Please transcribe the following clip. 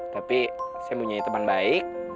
tapi saya punya teman baik